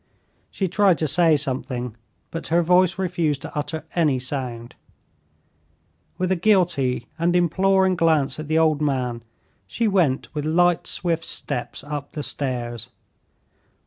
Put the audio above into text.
She tried to say something, but her voice refused to utter any sound; with a guilty and imploring glance at the old man she went with light, swift steps up the stairs.